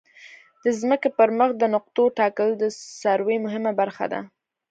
د ځمکې پر مخ د نقطو ټاکل د سروې مهمه برخه ده